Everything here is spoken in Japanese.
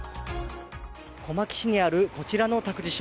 小牧市にある、こちらの託児所。